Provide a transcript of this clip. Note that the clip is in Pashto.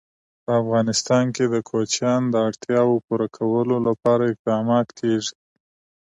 په افغانستان کې د کوچیان د اړتیاوو پوره کولو لپاره اقدامات کېږي.